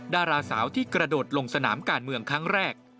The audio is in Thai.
ดาราสาวที่กระโดดลงสนามการเมืองครั้งแรก